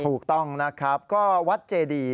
ถูกต้องนะครับก็วัดเจดี